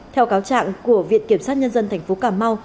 theo cáo trạng của viện kiểm sát nhân dân tp cà mau